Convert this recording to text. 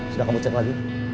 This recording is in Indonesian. sudah kamu cek lagi